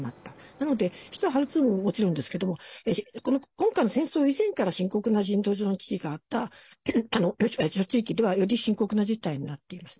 なので、首都ハルツームももちろんですけど今回の戦争以前から深刻な人道上の危機があった地域ではより深刻な事態になっています。